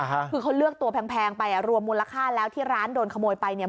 คือเขาเลือกตัวแพงไปอ่ะรวมมูลค่าแล้วที่ร้านโดนขโมยไปเนี่ย